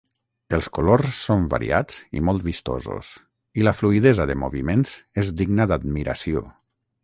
Els colors són variats i molt vistosos, i la fluïdesa de moviments és digna d'admiració.